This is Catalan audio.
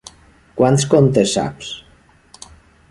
Quants contes saps?